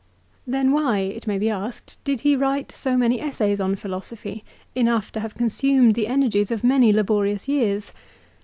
Then why, it may be asked, did he write so many essays on philosophy, enough to have consumed the energies of many laborious years